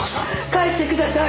帰ってください！